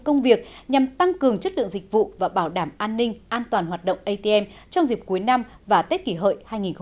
công việc nhằm tăng cường chất lượng dịch vụ và bảo đảm an ninh an toàn hoạt động atm trong dịp cuối năm và tết kỷ hợi hai nghìn một mươi chín